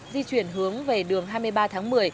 di chuyển hướng về đường hai mươi ba tháng một mươi